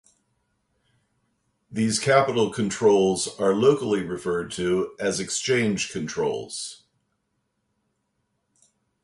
These capital controls are locally referred to as "exchange controls".